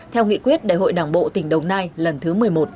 theo nghị quyết đại hội đảng bộ tỉnh đồng nai lần thứ một mươi một